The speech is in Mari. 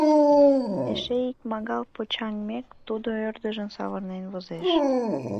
Эше икмагал почаҥмек, тудо ӧрдыжын савырнен возеш.